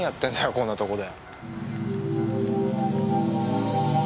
こんなとこで。